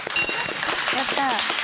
やった。